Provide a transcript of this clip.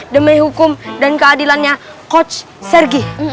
demi hukum dan keadilannya coach sergi